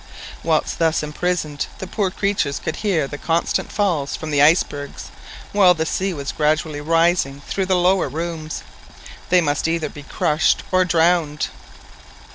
Whilst thus imprisoned the poor creatures could hear the constant falls from the icebergs, whilst the sea was gradually rising through the lower rooms. They must either be crushed or drowned!